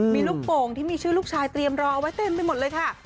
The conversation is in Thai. มีลูกโป่งที่มีชื่อลูกชายเตรียมรอเอาไว้เต็มไปหมดเลยค่ะ